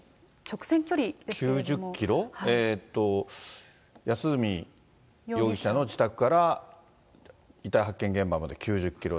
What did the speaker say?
９０キロ、安栖容疑者の自宅から遺体発見現場まで９０キロ。